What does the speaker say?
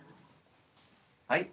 はい。